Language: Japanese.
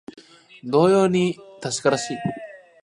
同様に確からしい